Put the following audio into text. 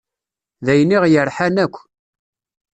D ayen i ɣ-yerḥan akk.